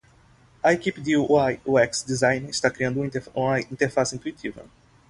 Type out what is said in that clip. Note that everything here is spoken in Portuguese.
A equipe de UI/UX Design está criando uma interface intuitiva.